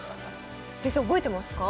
先生覚えてますか？